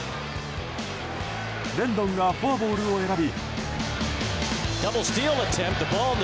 レンドンがフォアボールを選び。